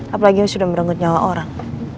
apalagi ini sudah merenggut nyawa orang